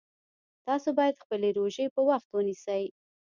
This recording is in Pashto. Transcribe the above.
تاسو باید خپلې روژې په وخت ونیسئ